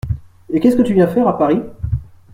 Et qu’est-ce que tu viens faire à Paris ?